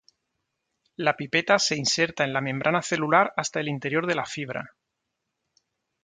La pipeta se inserta en la membrana celular hasta el interior de la fibra.